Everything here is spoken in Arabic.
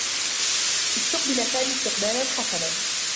استُقبل سامي استقبالا حسنا.